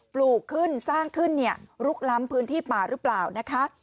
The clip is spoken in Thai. ปลูกขึ้นสร้างขึ้นเนี่ยลุกล้ำพื้นที่ป่าหรือเปล่านะคะ